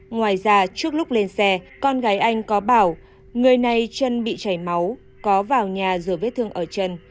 ngoài ra trước lúc lên xe con gái anh có bảo người này chân bị chảy máu có vào nhà rửa vết thương ở chân